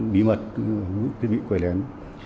bí mật thiết bị quay lén